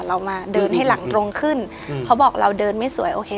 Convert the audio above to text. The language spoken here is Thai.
เรามาเดินให้หลังตรงขึ้นอืมเขาบอกเราเดินไม่สวยโอเค